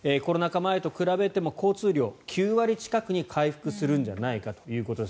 前と比べても交通量、９割近くに回復するんじゃないかということです。